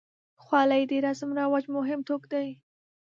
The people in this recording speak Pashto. خولۍ د رسم و رواج مهم توک دی.